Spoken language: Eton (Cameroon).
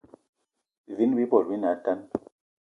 Bivini bi bot bi ne atane